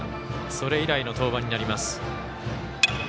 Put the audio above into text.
それ以来の登板になります。